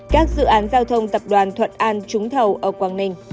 các dự án giao thông tập đoàn thuận an trúng thầu ở quảng ninh